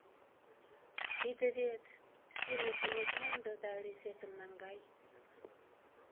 Тиде вет... шке нергенет мондо да ыресетым наҥгай.